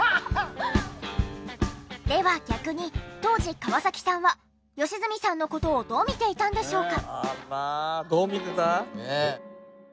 では逆に当時河崎さんは良純さんの事をどう見ていたんでしょうか？